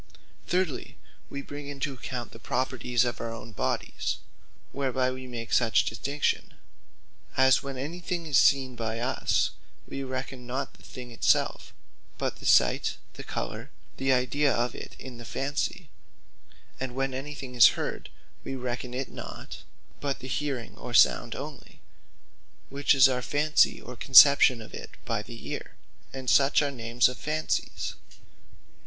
Thirdly, we bring into account, the Properties of our own bodies, whereby we make such distinction: as when any thing is Seen by us, we reckon not the thing it selfe; but the Sight, the Colour, the Idea of it in the fancy: and when any thing is Heard, wee reckon it not; but the Hearing, or Sound onely, which is our fancy or conception of it by the Eare: and such are names of fancies.